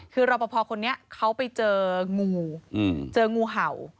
คือรอปภคนนี้เขาไปเจองูเจองูเห่า